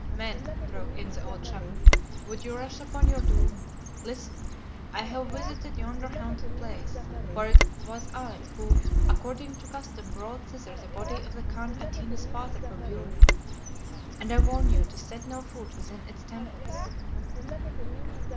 "Men," broke in the old Shaman, "would you rush upon your doom? Listen; I have visited yonder haunted place, for it was I who according to custom brought thither the body of the Khan Atene's father for burial, and I warn you to set no foot within its temples."